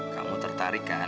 kamu tertarik kan